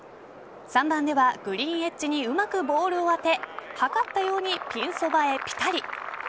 ３番ではグリーンエッジにうまくボールを当てはかったようにピンそばへピタリ。